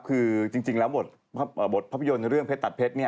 คือจริงแล้วบทภาพยนตร์เรื่องเพชรตัดเพชร